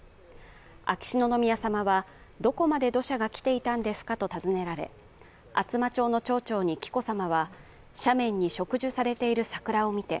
秋篠宮さまは、どこまで土砂が来ていたんですかと尋ねられ、厚真町の町長に紀子さまは、斜面に植樹されている桜を見て、